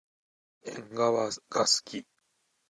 えんがわがすき。